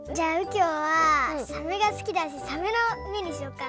きょうはサメがすきだしサメのめにしようかな。